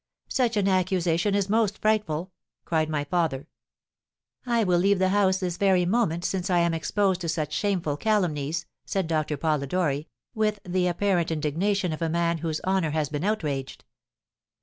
"'Such an accusation is most frightful!' cried my father. "'I will leave the house this very moment, since I am exposed to such shameful calumnies,' said Doctor Polidori, with the apparent indignation of a man whose honour has been outraged.